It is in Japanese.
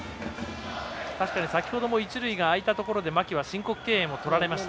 確かに先ほども一塁が空いたところで牧は申告敬遠をとられました。